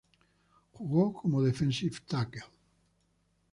Jugó como defensive tackle.